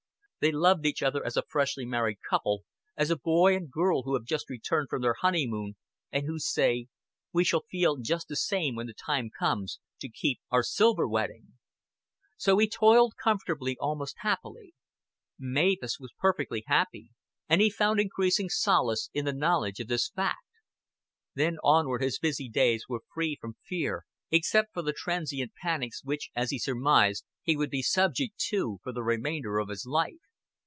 They loved each other as a freshly married couple, as a boy and girl who have just returned from their honeymoon, and who say, "We shall feel just the same when the time comes to keep our silver wedding." So he toiled comfortably, almost happily. Mavis was perfectly happy, and he found increasing solace in the knowledge of this fact. Thence onward his busy days were free from fear, except for the transient panics which, as he surmised, he would be subject to for the remainder of his life.